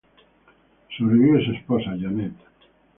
Sobrevive su esposa, Jeanette.